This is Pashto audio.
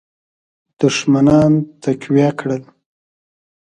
دښمنان تقویه کړل.